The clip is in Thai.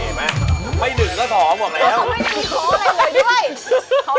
เขาไม่มีคออะไรเลยด้วย